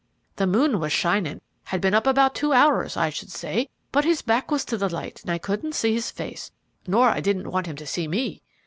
The moon was shining, had been up about two hours, I should say, but his back was to the light and I couldn't see his face, nor I didn't want him to see me.